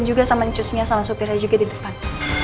juga sama nyusnya sama sopirnya juga di depan